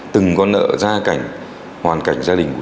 từng con nợ ra cảnh hoàn cảnh gia đình